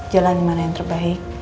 jalan dimana yang terbaik